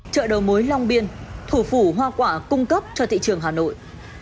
chợ đầu mối long biên thủ phủ hoa quả cung cấp cho thị trường hà nội